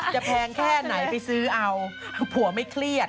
แพงแค่ไหนไปซื้อเอาผัวไม่เครียด